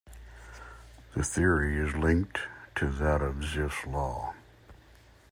The theory is linked to that of Zipf's law.